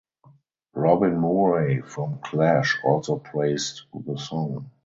Robin Murray from "Clash" also praised the song.